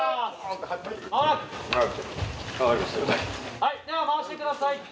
はい回してください。